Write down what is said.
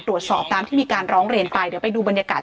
ตรวจสอบตามที่มีการร้องเรียนไปเดี๋ยวไปดูบรรยากาศ